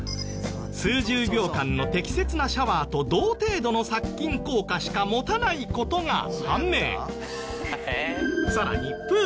数十秒間の適切なシャワーと同程度の殺菌効果しか持たない事が判明。